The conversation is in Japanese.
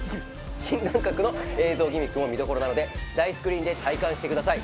新感覚の映像ギミックも見どころなので大スクリーンで体感してください。